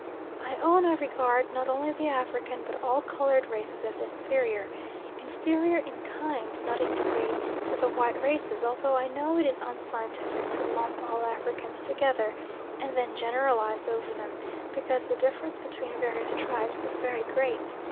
I own I regard not only the African, but all coloured races, as inferior inferior in kind not in degree to the white races, although I know it is unscientific to lump all Africans together and then generalise over them, because the difference between various tribes is very great.